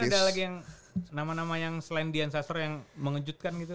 tadi ada lagi yang nama nama yang selain dian sastro yang mengejutkan gitu